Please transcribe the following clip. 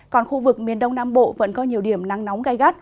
còn khu vực miền đông nam bộ vẫn có nhiều điểm nắng nóng gai gắt